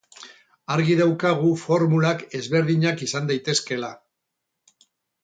Argi daukagu formulak ezberdinak izan daitezkela.